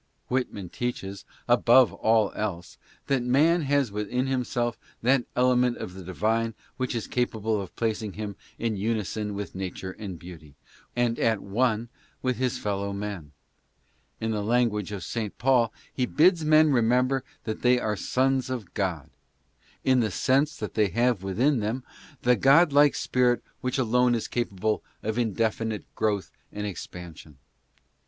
Whitman teaches, above all else, that man has within himself that element of the divine which is capable of placing him in unison with nature and beauty, and at one with his fellow men. In the language of St. Paul, he bids men remember that they are . sons of God " in the sense that they have within them the god 36 ADDRESSES, like spirit which alone is capable of indefinite growth and expan sion.